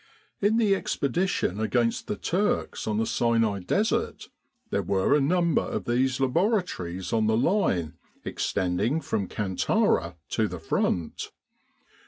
In the expedition against the Turks on the Sinai Desert there were a number of these laboratories on the line extending from Kantara to the front.